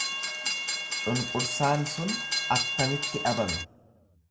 Cunqursaan sun attamitti dhabame?